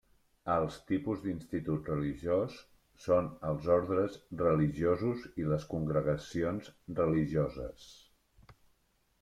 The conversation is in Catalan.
Els tipus d'Institut religiós són els ordes religiosos i les congregacions religioses.